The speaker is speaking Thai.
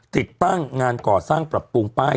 ติดตั้งงานก่อสร้างปรับปรุงป้าย